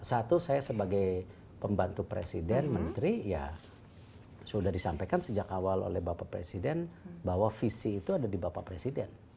satu saya sebagai pembantu presiden menteri ya sudah disampaikan sejak awal oleh bapak presiden bahwa visi itu ada di bapak presiden